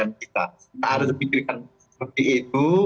tapi kita harus berpikirkan seperti itu